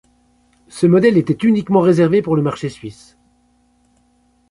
Ce modèle etait uniquement reservé pour le marché Suisse.